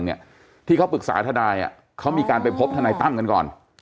เนี่ยที่เขาปรึกษาทนายเขามีการไปพบทนายตั้มกันก่อน